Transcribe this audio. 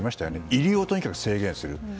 入りをとにかく制限する。